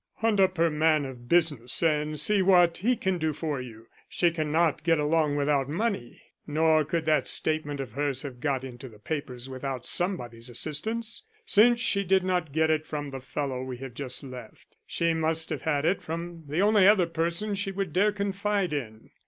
"Hunt up her man of business and see what he can do for you. She cannot get along without money; nor could that statement of hers have got into the papers without somebody's assistance. Since she did not get it from the fellow we have just left, she must have had it from the only other person she would dare confide in."